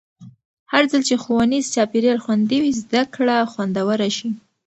هرځل چې ښوونیز چاپېریال خوندي وي، زده کړه خوندوره شي.